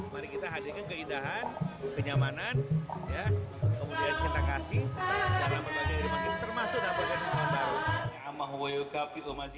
mari kita hadirkan keindahan kenyamanan kemudian cinta kasih dalam pergantian ini termasuk dalam pergantian tahun baru